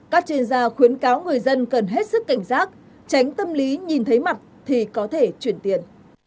các chuyên gia khuyến cáo người dân cần hết sức cảnh giác tránh tâm lý nhìn thấy mặt thì có thể chuyển tiền